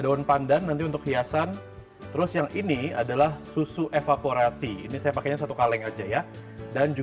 daun pandan nanti untuk hiasan terus yang ini adalah susu evaporasi ini saya pakainya satu